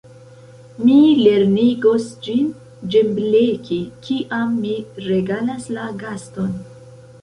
Mi lernigos ĝin ĝembleki, kiam mi regalas la gaston!